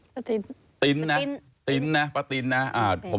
ตินติ๊นนะติ๊นนะป้าตินนะ